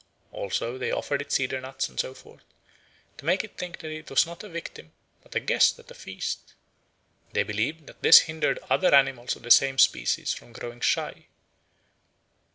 Also they offered it cedarnuts and so forth, to make it think that it was not a victim but a guest at a feast. They believed that this hindered other animals of the same species from growing shy.